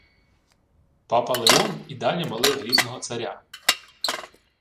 Папа Леон і далі молив грізного царя: